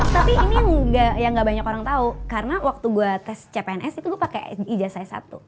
tapi ini yang gak banyak orang tahu karena waktu gue tes cpns itu gue pakai ijazah s satu